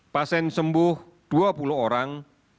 pasien sembuh dua puluh orang